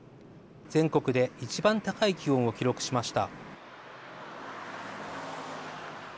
全国で一番高い気温を記録しました。